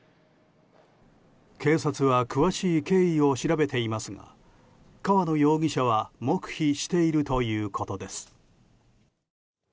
警察は詳しい経緯を調べていますが川野容疑者は黙秘しているということです。